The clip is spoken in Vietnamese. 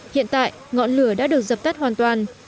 hiện tại ngọn lửa đã được dập tắt hoàn toàn